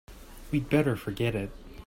We'd better forget it.